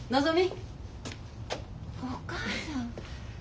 お母さん。